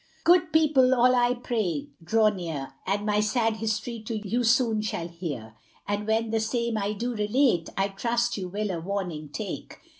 Good people all I pray draw near, And my sad history you soon shall hear, And when the same I do relate, I trust you will a warning take.